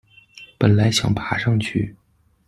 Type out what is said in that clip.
本来想爬上去